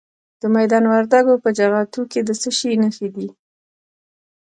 د میدان وردګو په جغتو کې د څه شي نښې دي؟